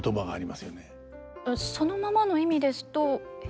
そのままの意味ですと下手な。